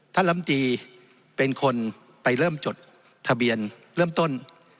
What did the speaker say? ลำตีเป็นคนไปเริ่มจดทะเบียนเริ่มต้น